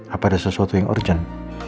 apa ada sesuatu yang urgent